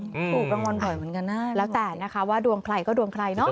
ถูกรางวัลบ่อยเหมือนกันนะแล้วแต่นะคะว่าดวงใครก็ดวงใครเนาะ